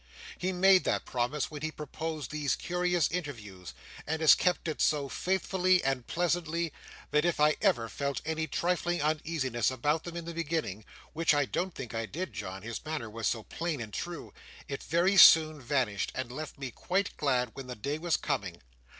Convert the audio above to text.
He made that promise when he proposed these curious interviews, and has kept it so faithfully and pleasantly, that if I ever felt any trifling uneasiness about them in the beginning (which I don't think I did, John; his manner was so plain and true) it very soon vanished, and left me quite glad when the day was coming.